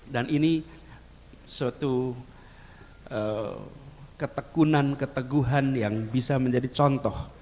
dan ini suatu ketekunan keteguhan yang bisa menjadi contoh